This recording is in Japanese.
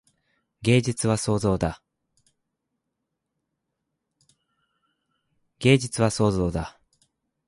芸術は創造だ。